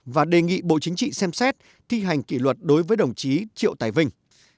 và đề nghị bộ chính trị xem xét thi hành kỷ luật đối với đồng chí triệu tài vinh